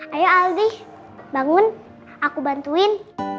ayo alzi bangun aku bantuin